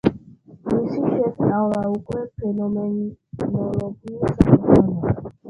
მისი შესწავლა უკვე ფენომენოლოგიის ამოცანაა.